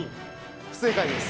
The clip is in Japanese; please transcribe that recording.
不正解です。